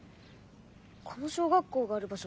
この小学校がある場所